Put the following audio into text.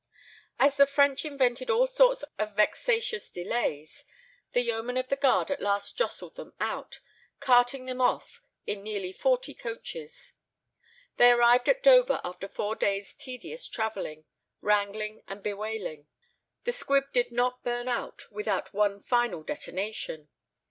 As the French invented all sorts of vexatious delays, the yeomen of the guard at last jostled them out, carting them off in nearly forty coaches. They arrived at Dover after four days' tedious travelling, wrangling, and bewailing. The squib did not burn out without one final detonation.